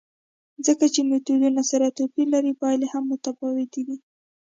ځکه چې میتودونه سره توپیر لري، پایلې هم متفاوتې دي.